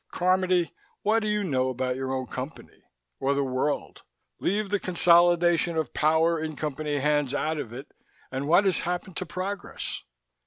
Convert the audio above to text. Carmody, what do you know about your own Company? Or the world? Leave the consolidation of power in Company hands out of it, and what has happened to progress?"